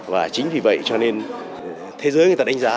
và chính vì vậy cho nên thế giới người ta đánh giá